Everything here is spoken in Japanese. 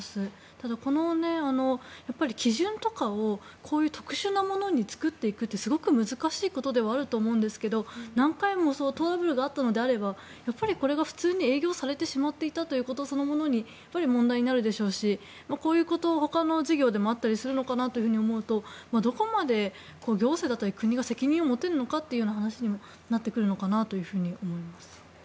ただ、基準とかをこういう特殊なものに作っていくってすごく難しいことではあると思うんですが何回もトラブルがあったのであればこれが普通に営業されてしまっていたことそのものが問題になるでしょうしこういうことはほかの事業でもあったりするのかなと思うとどこまで行政だったり国が責任を持てるのかなという話にもなってくるのかなと思います。